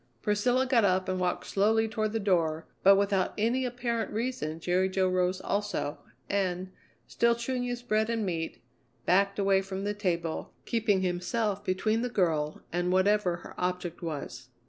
Priscilla got up and walked slowly toward the door, but without any apparent reason Jerry Jo arose also, and, still chewing his bread and meat, backed away from the table, keeping himself between the girl and whatever her object was.